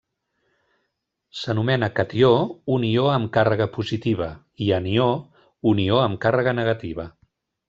S'anomena catió un ió amb càrrega positiva, i anió un ió amb càrrega negativa.